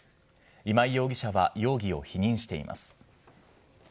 今井容疑者は容疑を否認しています。